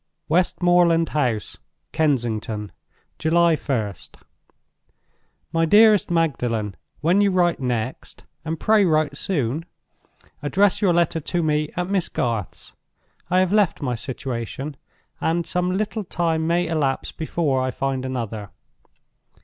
_ "Westmoreland House, Kensington, "July 1st. "MY DEAREST MAGDALEN, "When you write next (and pray write soon!) address your letter to me at Miss Garth's. I have left my situation; and some little time may elapse before I find another.